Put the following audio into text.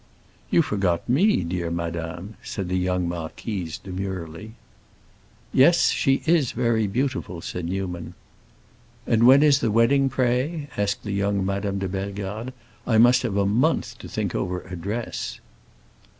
"You forgot me, dear madame," said the young marquise demurely. "Yes, she is very beautiful," said Newman. "And when is the wedding, pray?" asked young Madame de Bellegarde; "I must have a month to think over a dress."